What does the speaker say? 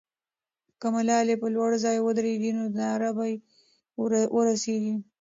که ملالۍ پر لوړ ځای ودرېږي، نو ناره به یې ورسېږي.